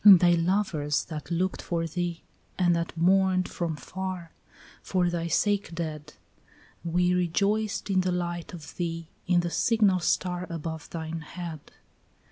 And thy lovers that looked for thee, and that mourned from far, For thy sake dead, We rejoiced in the light of thee, in the signal star Above thine head.